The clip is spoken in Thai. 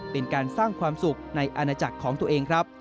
เป็นการสร้างความสุขในอาณาจักรของตัวเองครับ